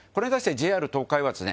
ＪＲ東海はですね